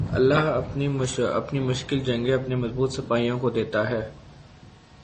اللہ اپنی مشکل جنگیں اپنے مضبوط سپاہیوں کو دیتا ہے